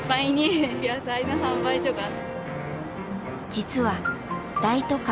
実は大都会